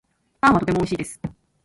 パンはとてもおいしいです